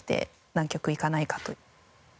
「南極行かないか？」